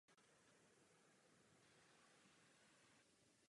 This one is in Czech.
Soudní zkoušku poté vykonal v Istanbulu.